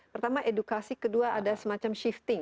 pertama edukasi kedua ada semacam shifting